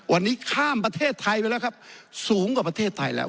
วันนี้ข้ามประเทศไทยไปแล้วครับสูงกว่าประเทศไทยแล้ว